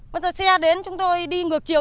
bây giờ xe đến chúng tôi đi ngược chiều